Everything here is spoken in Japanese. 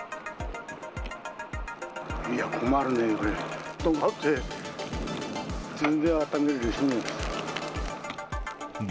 いや、困るね、これ。